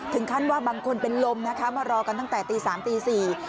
ถึงขั้นว่าบางคนเป็นลมมารอกันตั้งแต่ตี๓ตี๔